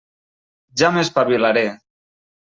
Ja m'espavilaré.